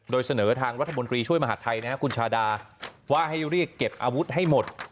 โดยเสนอทางรัฐมนตรีช่วยมหาดไทยคุณชาดาว่าให้เรียกเก็บอาวุธให้หมด